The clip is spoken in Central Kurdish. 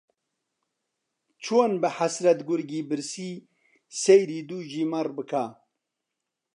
چۆن بە حەسرەت گورگی برسی سەیری دووگی مەڕ بکا